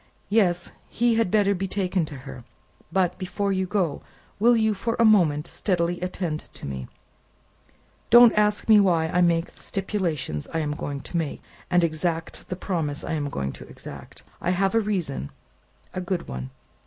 Yes; he had better be taken to her. But, before you go, will you, for a moment, steadily attend to me? Don't ask me why I make the stipulations I am going to make, and exact the promise I am going to exact; I have a reason a good one."